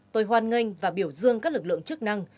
hoan nghênh và biểu dương các lực lượng chức năng